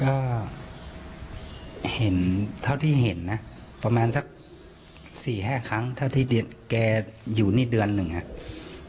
ก็เห็นเท่าที่เห็นนะประมาณสัก๔๕ครั้งเท่าที่แกอยู่นี่เดือนหนึ่งอ่ะ